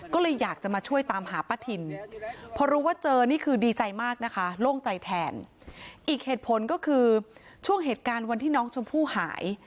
ก็เลยอยากจะมาช่วยตามหาป้าทินพอรู้ว่าเจอนี่คือดีใจมากนะคะโล่งใจแทนอีกเหตุผลก็คือช่วงเหตุการณ์วันที่น้องชมพู่หาย